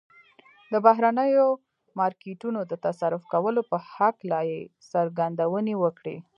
د بهرنيو مارکيټونو د تصرف کولو په هکله يې څرګندونې وکړې.